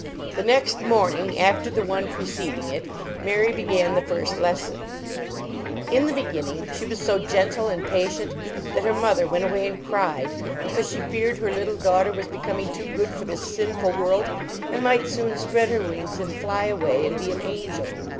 The next morning after the one preceding it, Mary began the first lesson. In the be 34 LEARNING TO READ ginning she was so gentle and patient that her mother went away and cried, because she feared her dear little daughter was becoming too good for this sinful world, and might soon spread her wings and fly away and be an angel.